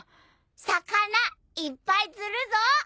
魚いっぱい釣るぞ！